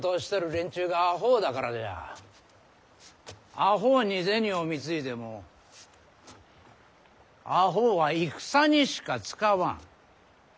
あほうに銭を貢いでもあほうは戦にしか使わん。